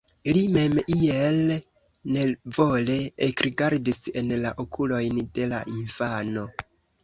Li mem iel nevole ekrigardis en la okulojn de la infano.